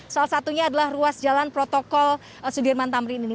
salah satunya adalah ruas jalan protokol sudirman tamrin ini